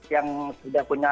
yang sudah punya